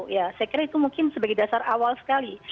ya saya kira itu mungkin sebagai dasar awal sekali